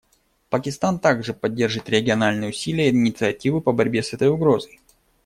Пакистан также поддержит региональные усилия и инициативы по борьбе с этой угрозой.